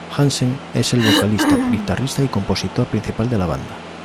Hansen es el vocalista, guitarrista y compositor principal de la banda.